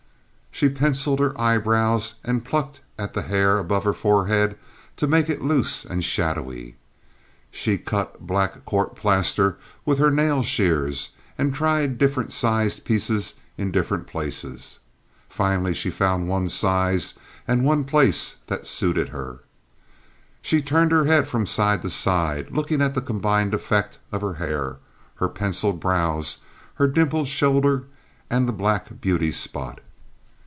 She penciled her eyebrows and plucked at the hair about her forehead to make it loose and shadowy. She cut black court plaster with her nail shears and tried different sized pieces in different places. Finally, she found one size and one place that suited her. She turned her head from side to side, looking at the combined effect of her hair, her penciled brows, her dimpled shoulder, and the black beauty spot.